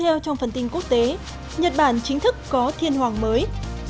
tiếp theo trong phần tin quốc tế nhật bản chính thức có thiên hoàng mới